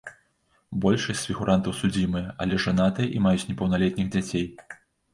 Большасць з фігурантаў судзімыя, але жанатыя і маюць непаўналетніх дзяцей.